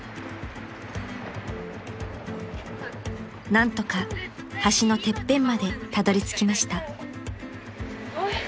［何とか橋のてっぺんまでたどりつきました］